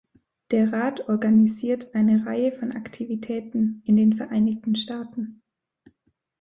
Der Rat organisiert eine Reihe von Aktivitäten in den Vereinigten Staaten.